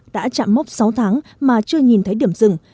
đã chạm mốc sáu tháng mà chưa nhìn thấy điểm dừng